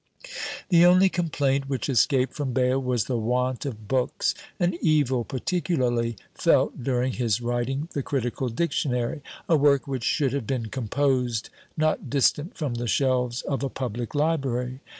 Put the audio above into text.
The only complaint which escaped from Bayle was the want of books; an evil particularly felt during his writing the "Critical Dictionary;" a work which should have been composed not distant from the shelves of a public library.